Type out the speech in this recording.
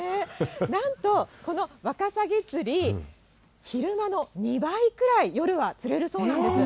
なんと、このワカサギ釣り、昼間の２倍くらい、夜は釣れるそうなんです。